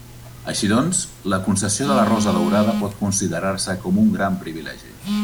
Així doncs, la concessió de la Rosa Daurada pot considerar-se com un gran privilegi.